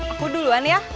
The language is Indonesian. aku duluan ya